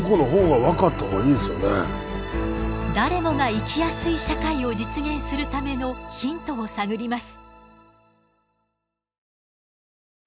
誰もが生きやすい社会を実現するためのヒントを探ります。